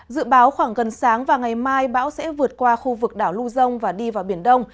dự báo khoảng gần sáng và ngày mai bão sẽ vượt qua khu vực đảo luzon và đi vào biển đông